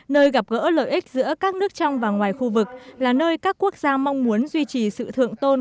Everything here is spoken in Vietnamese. nơi gặp gỡ lợi ích giữa các nước trong và ngoài khu vực là nơi các quốc gia mong muốn duy trì sự thượng tôn